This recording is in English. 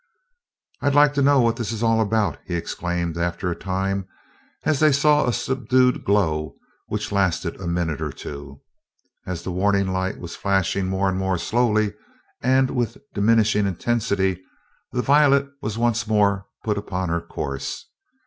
"I'd like to know what this is all about!" he exclaimed after a time, as they saw a subdued glow, which lasted a minute or two. As the warning light was flashing more and more slowly and with diminishing intensity, the Violet was once more put upon her course.